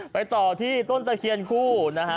ไปต่อที่ต้นตะเคียนคู่นะฮะ